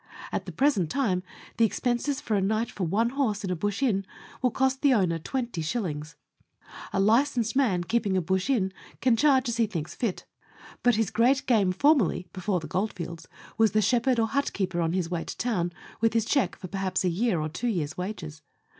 At the present time the expenses of a night for one horse at a bush inn will cost the owner twenty shillings. A licensed man keeping a bush inn can charge as he thinks fit ; but his Letters from Victorian Pioneers. 127 great game formerly, before the gold fields, was the shepherd or hut keeper on his way to town with his cheque for perhaps a year or two years' wages.